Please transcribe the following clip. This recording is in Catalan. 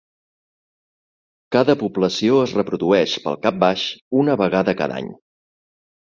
Cada població es reprodueix, pel cap baix, una vegada cada any.